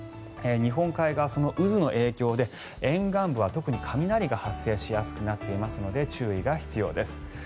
日本海側、その渦の影響で沿岸部は特に雷が発生しやすくなっていますので注意が必要です。